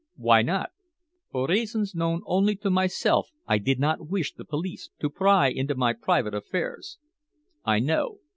"Why not?" "For reasons known only to myself I did not wish the police to pry into my private affairs." "I know.